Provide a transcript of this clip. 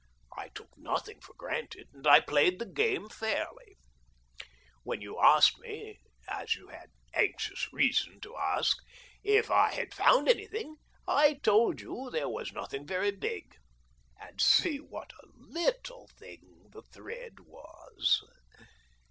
I took nothing for granted, and I played the game fairly. When you asked me (as you had anxious reason to ask) if I had found 188 THE DORRINGTON DEED BOX anything, I told you there was nothing very big — and see what a little thing the thread was